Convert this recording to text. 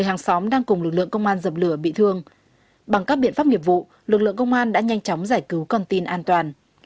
hàng xóm đang cùng lực lượng công an dập lửa bị thương bằng các biện pháp nghiệp vụ lực lượng công an đã nhanh chóng giải cứu con tin an toàn